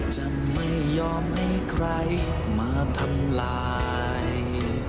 จะไม่ยอมให้ใครมาทำลาย